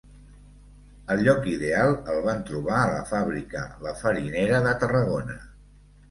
El lloc ideal el van trobar a la fàbrica La Farinera de Tarragona.